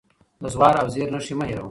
د زور او زېر نښې مه هېروه.